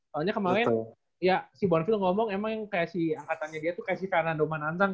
soalnya kemarin ya si borvil ngomong emang yang kayak si angkatannya dia tuh kayak si fernando manantang